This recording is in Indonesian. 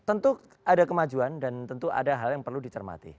tentu ada kemajuan dan tentu ada hal yang perlu dicermati